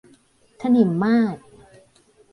ถนิมมาศ